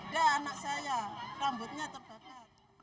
dan anak saya rambutnya terbakar